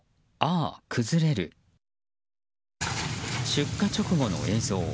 出火直後の映像。